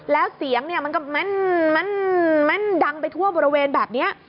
แล้วเสียงเนี่ยมันก็แม่นดังไปทั่วบริเวณแบบนี้